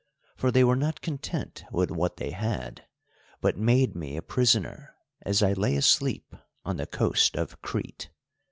For they were not content with what they had, but made me a prisoner as I lay asleep on the coast of Crete.